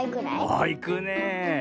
ああいくねえ。